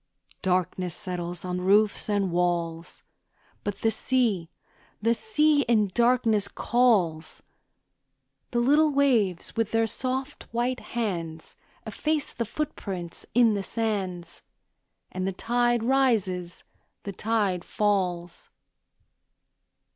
Darkness settles on roofs and walls, But the sea, the sea in darkness calls; The little waves, with their soft, white hands, Efface the footprints in the sands, And the tide rises, the tide falls.